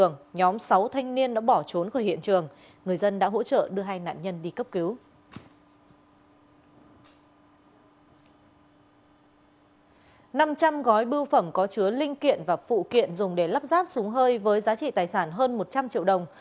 năm gói bưu phẩm có chứa linh kiện và phụ kiện dùng để lắp ráp súng hơi với giá trị tài sản hơn một trăm linh triệu đồng